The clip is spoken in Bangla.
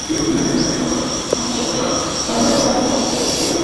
পরশু বার্সেলোনার বিপক্ষে কোয়ার্টার ফাইনালের ফিরতি লেগেও দারুণ কিছু সেভ করেছেন কোর্তুয়া।